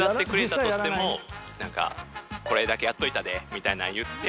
みたいなん言って。